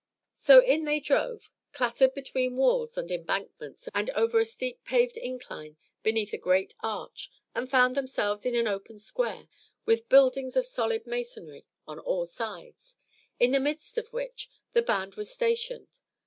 '" So in they drove, clattered between walls and embankments, and over a steep paved incline beneath a great arch, and found themselves in an open square, with buildings of solid masonry on all sides, in the midst of which the band was stationed.